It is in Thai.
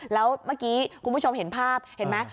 แล้วเมื่อกี้คุณผู้ชมเห็นภาพเห็นไหม